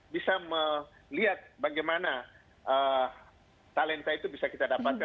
bisa melihat bagaimana talenta itu bisa kita dapatkan